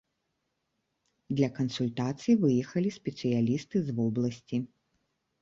Для кансультацый выехалі спецыялісты з вобласці.